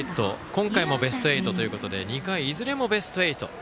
今回もベスト８ということで２回いずれもベスト８。